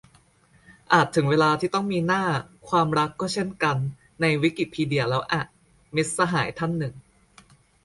"อาจถึงเวลาที่ต้องมี หน้า ความรักก็เช่นกัน ในวิกิพีเดียแล้วอะ" - มิตรสหายท่านหนึ่ง